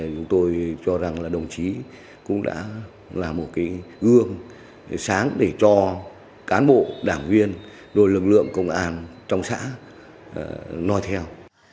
chúng tôi cho rằng là đồng chí cũng đã là một gương sáng để cho cán bộ đảng viên đội lực lượng công an trong xã nói theo